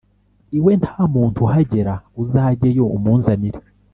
iwe nta muntu uhagera, uzajyeyo umunzanire."